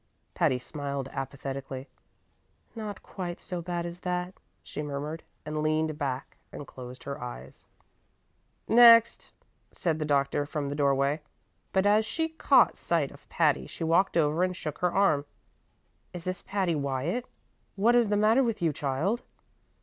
Patty smiled apathetically. "Not quite so bad as that," she murmured, and leaned back and closed her eyes. [Illustration: What's the matter, Patty?] "Next," said the doctor from the doorway; but as she caught sight of Patty she walked over and shook her arm. "Is this Patty Wyatt? What is the matter with you, child?"